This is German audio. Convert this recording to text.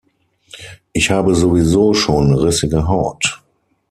Ich habe sowieso schon rissige Haut.